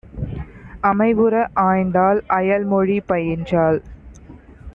அமைவுற ஆய்ந்தாள்; அயல்மொழி பயின்றாள்;